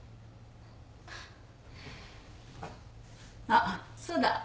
あっそうだ。